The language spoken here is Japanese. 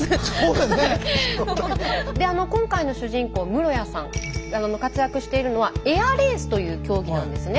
で今回の主人公室屋さん活躍しているのはエアレースという競技なんですね。